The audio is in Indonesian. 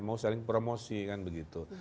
mau saling promosi kan begitu